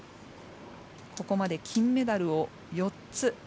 ここまで金メダルを４つ。